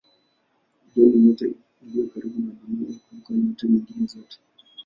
Jua ni nyota iliyo karibu na Dunia yetu kuliko nyota nyingine zote.